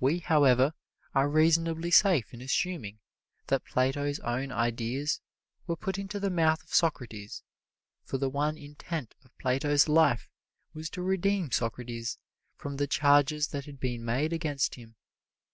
We, however, are reasonably safe in assuming that Plato's own ideas were put into the mouth of Socrates, for the one intent of Plato's life was to redeem Socrates from the charges that had been made against him.